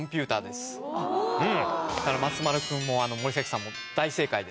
松丸君も森崎さんも大正解です。